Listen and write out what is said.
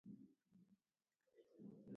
ایا زه باید سینما ته لاړ شم؟